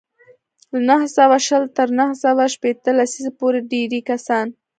له نهه سوه شل تر نهه سوه شپېته لسیزې پورې ډېری کسان